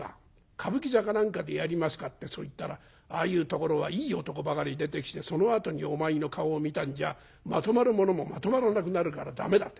歌舞伎座か何かでやりますか？』ってそう言ったら『ああいうところはいい男ばかり出てきてそのあとにお前の顔を見たんじゃまとまるものもまとまらなくなるから駄目だ』って。